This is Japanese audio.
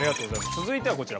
続いてはこちら。